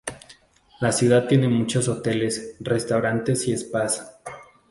La ciudad tiene muchos hoteles, restaurantes y spas.